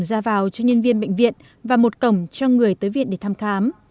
bệnh viện đã đặt một cổng ra vào cho nhân viên bệnh viện và một cổng cho người tới viện để thăm khám